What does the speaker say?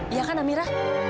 iya kan amira